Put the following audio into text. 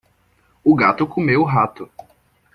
O gato comeu o rato.